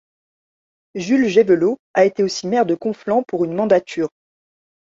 Jules Gévelot a été aussi maire de Conflans pour une mandature.